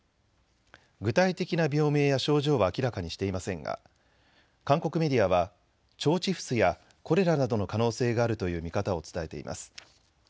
具体的な病名や症状は明らかにしていませんが韓国メディアは腸チフスやコレラなどの可能性があるという見方を伝えています。